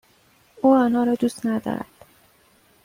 او آنها را دوست ندارد.